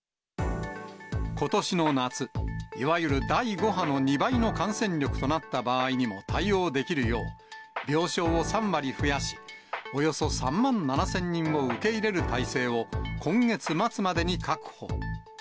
ことしの夏、いわゆる第５波の２倍の感染力となった場合でも対応できるよう、病床を３割増やし、およそ３万７０００人を受け入れる体制を、今月末までに確保。